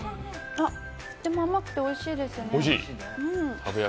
とっても甘くておいしいですね。